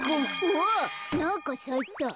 おなんかさいた。